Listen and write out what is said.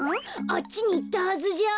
あっちにいったはずじゃ。